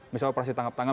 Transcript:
misal operasi tanggap tangan